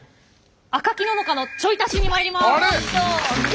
「赤木野々花のちょい足し！」にまいります。